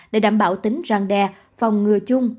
để đảm bảo tính răng đe phòng ngừa chung